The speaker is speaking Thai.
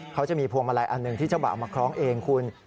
เขาจะมีพวงมาลัยอันหนึ่งที่เจ้าบ่าวมาคล้องเองคุณ